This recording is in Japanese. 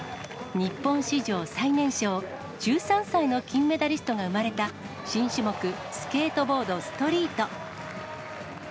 日本史上最年少、１３歳の金メダリストが生まれた新種目、スケートボードストリート。